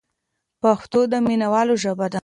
پښتو د مینوالو ژبه ده.